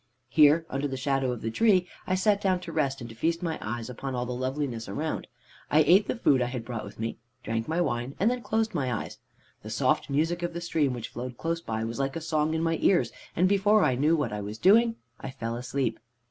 "Here, under the shadow of the tree, I sat down to rest and to feast my eyes upon all the loveliness around. I ate the food I had brought with me, drank my wine, and then closed my eyes. The soft music of the stream which flowed close by was like a song in my ears, and, before I knew what I was doing, I fell asleep.